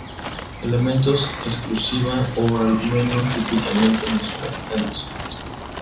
Elementos exclusiva o al menos típicamente mesoamericanos.